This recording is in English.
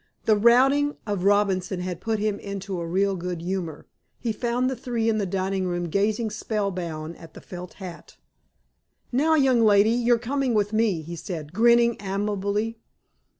The routing of Robinson had put him into a real good humor. He found the three in the dining room gazing spell bound at the felt hat. "Now, young lady, you're coming with me," he said, grinning amiably.